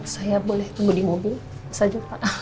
saya boleh tunggu di mobil saja pak